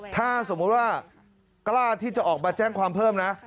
ถ้าสมมุติว่ากล้าที่จะออกมาแจ้งความเพิ่มนะ